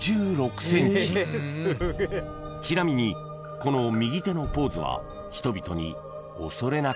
［ちなみにこの右手のポーズは人々に］